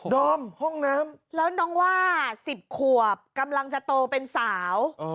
อมห้องน้ำแล้วน้องว่า๑๐ขวบกำลังจะโตเป็นสาว